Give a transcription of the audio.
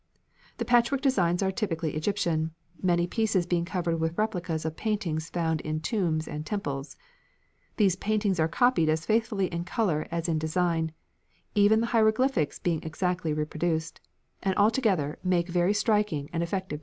The patchwork designs are typically Egyptian, many pieces being covered with replicas of paintings found on tombs and temples. These paintings are copied as faithfully in colour as in design, even the hieroglyphics being exactly reproduced, and altogether make very striking and effective decorations.